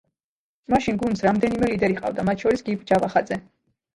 მაშინ გუნდს რამდენიმე ლიდერი ჰყავდა, მათ შორის გივი ჯავახაძე.